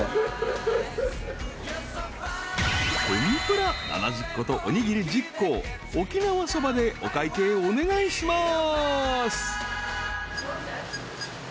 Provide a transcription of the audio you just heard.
［天ぷら７０個とおにぎり１０個沖縄そばでお会計お願いします］